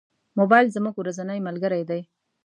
موبایل زموږ ورځنی ملګری دی.